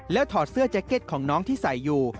ถอดเสื้อแจ็คเก็ตของน้องที่ใส่อยู่